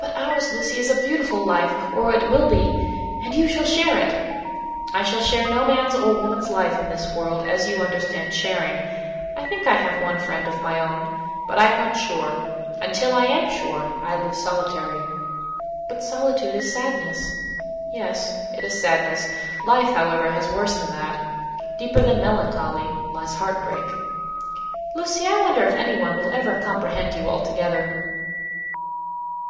"But ours, Lucy, is a beautiful life, or it will be; and you shall share it." "I shall share no man's or woman's life in this world, as you understand sharing. I think I have one friend of my own, but am not sure; and till I am sure, I live solitary." "But solitude is sadness." "Yes; it is sadness. Life, however; has worse than that. Deeper than melancholy, lies heart break." "Lucy, I wonder if anybody will ever comprehend you altogether."